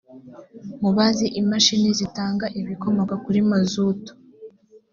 mubazi imashini zitanga ibikomoka kuri mazutu